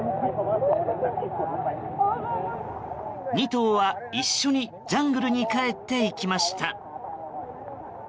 ２頭は一緒にジャングルに帰っていきました。